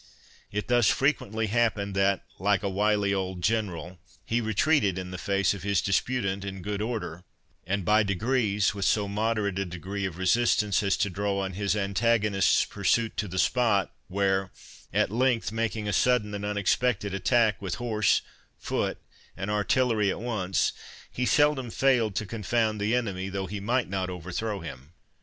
It thus frequently happened, that, like a wily old general, he retreated in the face of his disputant in good order and by degrees, with so moderate a degree of resistance, as to draw on his antagonist's pursuit to the spot, where, at length, making a sudden and unexpected attack, with horse, foot, and artillery at once, he seldom failed to confound the enemy, though he might not overthrow him.